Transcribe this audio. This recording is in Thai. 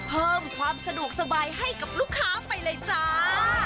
เพิ่มความสะดวกสบายให้กับลูกค้าไปเลยจ้า